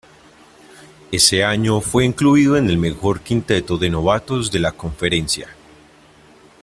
Ese año fue incluido en el mejor quinteto de novatos de la conferencia.